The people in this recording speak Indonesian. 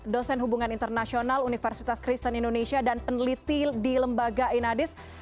dosen hubungan internasional universitas kristen indonesia dan peneliti di lembaga enadis